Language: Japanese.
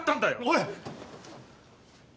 おい！